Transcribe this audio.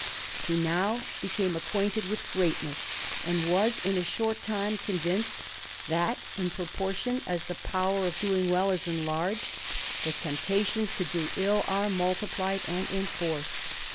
He now became acquainted with greatness, and was in a short time convinced, that in proportion as the power of doing well is enlarged, the temptations to do ill are multi plied and enforced.